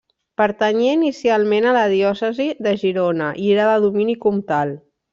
Pertanyia inicialment a la diòcesi de Girona i era de domini comtal.